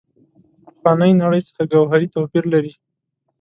پخوانۍ نړۍ څخه ګوهري توپیر لري.